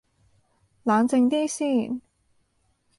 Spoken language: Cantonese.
冷靜啲先